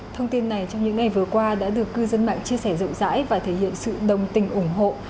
thông tin này trong những ngày vừa qua đã được cư dân mạng chia sẻ rộng rãi và thể hiện sự đồng tình ủng hộ